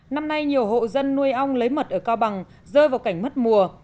năm nay nhiều hộ dân nuôi ong lấy mật ở cao bằng rơi vào cảnh mất mùa